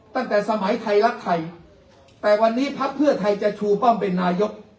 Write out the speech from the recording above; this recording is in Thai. ตั้งแต่สมัยไทยรักไทยแต่วันนี้พักเพื่อไทยจะชูป้อมเป็นนายก